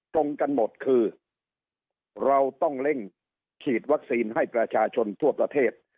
ตรงกันหมดคือเราต้องเร่งฉีดวัคซีนให้ประชาชนทั่วประเทศ